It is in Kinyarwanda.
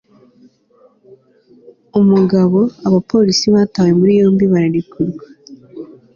umugabo abapolisi batawe muri yombi bararekuwe